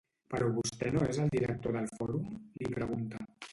Però vostè no és el director del Fòrum? —li pregunta.